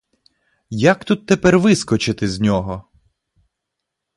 Як тут тепер вискочити з нього?